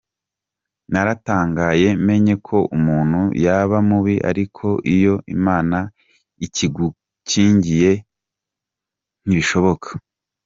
Naratangaye menye ko umuntu yaba mubi ariko iyo Imana ikigukingiye ntibishoboka".